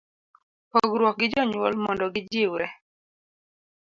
C. Pogruok gi jonyuol mondo gijiwre